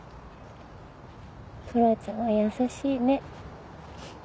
トラちゃんは優しいね。